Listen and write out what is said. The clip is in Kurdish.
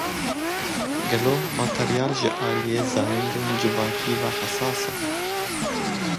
Gelo materyal ji aliyê zayendên civakî ve hesas e?